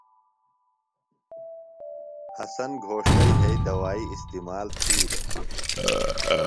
حسن گھوݜٹہ یھئی دوائی استعمال تِھی دےۡ۔